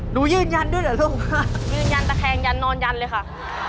ยืนยันด้วยเหรอลูกว่ายืนยันตะแคงยันนอนยันเลยค่ะ